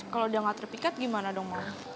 kalau udah gak terpikat gimana dong